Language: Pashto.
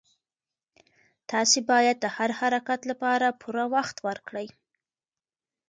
تاسي باید د هر حرکت لپاره پوره وخت ورکړئ.